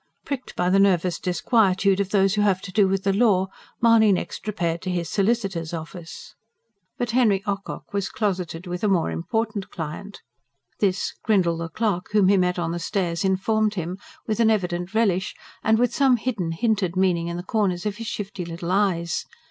Pricked by the nervous disquietude of those who have to do with the law, Mahony next repaired to his solicitor's office. But Henry Ocock was closeted with a more important client. This, Grindle the clerk, whom he met on the stairs, informed him, with an evident relish, and with some hidden, hinted meaning in the corners of his shifty little eyes.